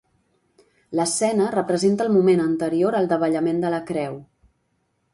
L'escena representa el moment anterior al davallament de la creu.